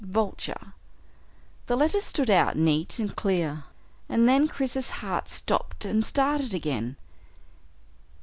Vulture. The letters stood out neat and clear and then Chris's heart stopped and started again.